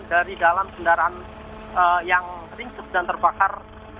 dari dalam kendaraan yang ringsek dan terbakar